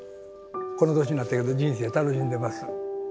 この年になったけど人生楽しんでます。